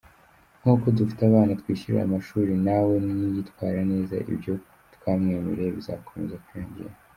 Nk’uko dufite abana twishyurira amashuri, nawe niyitwara neza ibyo twamwemereye bizakomeza kwiyongera.